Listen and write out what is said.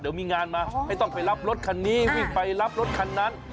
เดี๋ยวมีงานมาไม่ต้องไปรับรถคันนี้วิ่งไปรับรถคันนั้น